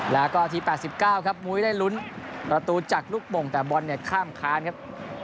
แล้วก็ที๘๙ครับมุ้ยได้ลุ้นประตูจากลูกโป่งแต่บอลเนี่ยข้ามค้านครับ